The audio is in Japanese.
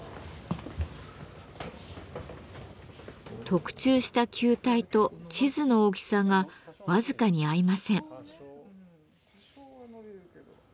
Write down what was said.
特注した球体と地図の大きさが僅かに合いません。